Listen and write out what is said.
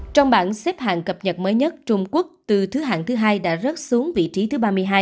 trong bảng xếp hạng cập nhật mới nhất trung quốc từ thứ hạng thứ hai đã rớt xuống vị trí thứ ba mươi hai